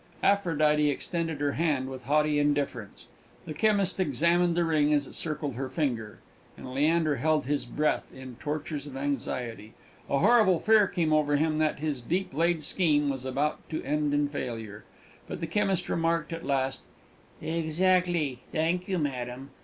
Aphrodite extended her hand with haughty indifference. The chemist examined the ring as it circled her finger, and Leander held his breath in tortures of anxiety. A horrible fear came over him that his deep laid scheme was about to end in failure. But the chemist remarked at last: "Exactly; thank you, madam.